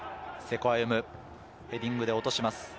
瀬古歩夢、ヘディングで落とします。